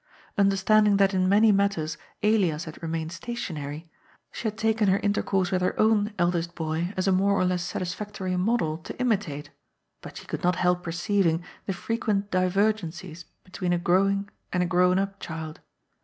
Understanding that in many matters Elias had remained stationary, she had taken her intercourse with her own eldest boy as a more or less satisfactory model to imitate, but she could not help perceiving the frequent di vergencies between a growing and a grown up cKild.